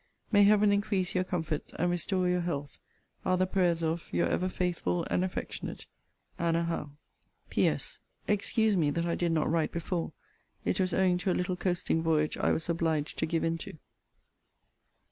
May Heaven increase your comforts, and restore your health, are the prayers of Your ever faithful and affectionate ANNA HOWE. P.S. Excuse me that I did not write before: it was owing to a little coasting voyage I was obliged to give into.